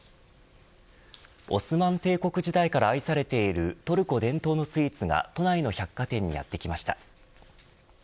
オスマン帝国時代から愛されているトルコ伝統のスイーツが都内の百貨店にやってきました。